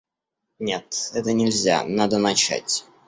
Нет, это нельзя, надо начать.